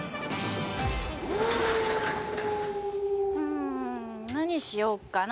うん何しよっかな